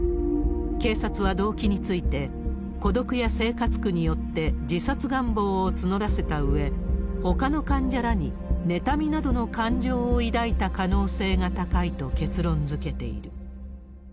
警察は動機について、孤独や生活苦によって自殺願望を募らせたうえ、ほかの患者らに妬みなどの感情を抱いた可能性が高いと結論づけている。